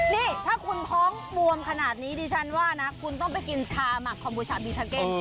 นี่ถ้าคุณท้องบวมขนาดนี้ดิฉันว่านะคุณต้องไปกินชาหมักคอมบูชาบีทาเก็ต